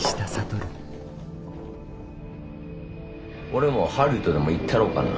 俺もハリウッドでも行ったろうかな。